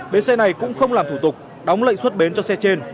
bến xe này cũng không làm thủ tục đóng lệnh xuất bến cho xe trên